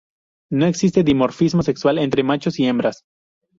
No existe dimorfismo sexual entre machos y hembras.